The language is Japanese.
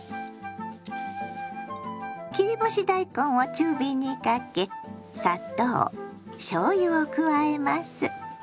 切り干し大根を中火にかけ砂糖しょうゆを加えます。